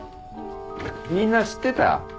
みんな知ってた？